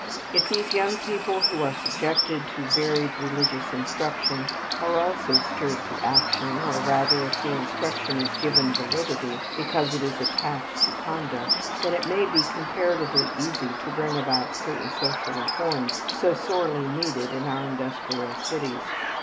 If these young people who are subjected to varied religious instruction are also stirred to action, or rather, if the instruction is given validity because it is attached to conduct, then it may be comparatively easy to bring about certain social reforms so sorely needed in our industrial cities.